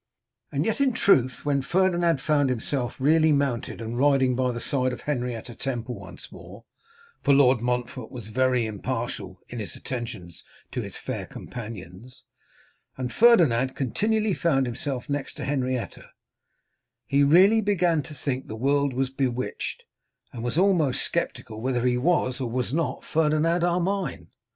And yet in truth when Ferdinand found himself really mounted, and riding by the side of Henrietta Temple once more, for Lord Montfort was very impartial in his attentions to his fair companions, and Ferdinand continually found himself next to Henrietta, he really began to think the world was bewitched, and was almost sceptical whether he was or was not Ferdinand Armine.